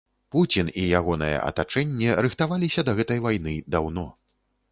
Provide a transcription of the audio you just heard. Пуцін і ягонае атачэнне рыхтаваліся да гэтай вайны даўно.